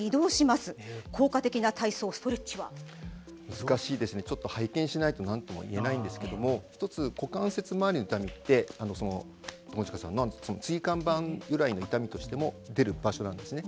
難しいですね拝見しないと何とも言えないんですけども一つ股関節まわりの痛みって友近さんの椎間板由来の痛みとしても出る場所なんですね。